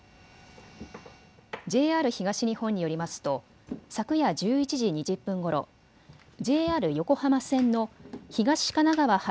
ＪＲ東日本によりますと昨夜１１時２０分ごろ、ＪＲ横浜線の東神奈川発